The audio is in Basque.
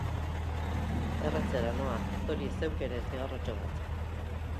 Erretzera noa, tori zeuk ere zigarrotxo bat.